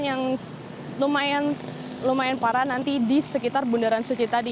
yang lumayan parah nanti di sekitar bundaran suci tadi